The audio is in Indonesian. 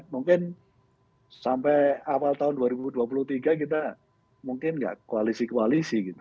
mungkin sampai awal tahun dua ribu dua puluh tiga kita mungkin nggak koalisi koalisi gitu